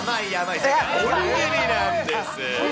おにぎりなんです。